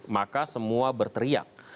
maka semua berteriak